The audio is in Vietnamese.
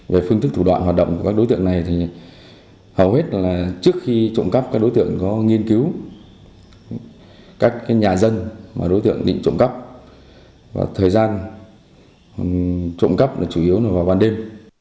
về phương thức thủ đoạn hoạt động của các đối tượng này thì hầu hết là trước khi trộm cấp các đối tượng có nghiên cứu các nhà dân mà đối tượng định trộm cấp và thời gian trộm cấp là chủ yếu vào ban đêm